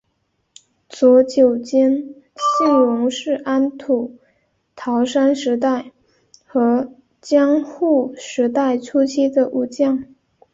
佐久间信荣是安土桃山时代和江户时代初期的武将。